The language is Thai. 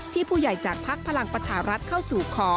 ผู้ใหญ่จากภักดิ์พลังประชารัฐเข้าสู่ขอ